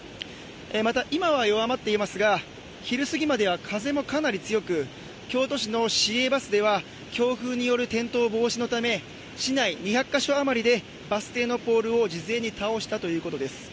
また、今は弱まっていますが昼過ぎまでは風もかなり強く、京都市の市営バスでは強風による転倒防止のため市内２００か所余りでバス停のポールを事前に倒したということです。